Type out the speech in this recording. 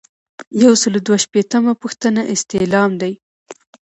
یو سل او دوه شپیتمه پوښتنه استعلام دی.